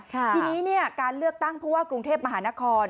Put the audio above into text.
ทีนี้การเลือกตั้งผู้ว่ากรุงเทพมหานคร